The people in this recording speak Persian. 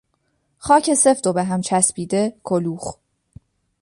خاک سفت و به هم چسبیده، کلوخ